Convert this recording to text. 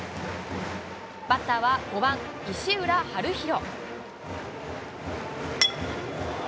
バッターは５番石浦暖大。